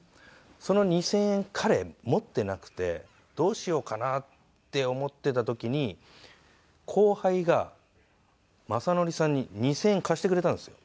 その２０００円彼持っていなくてどうしようかなって思っていた時に後輩が雅紀さんに２０００円貸してくれたんですよ。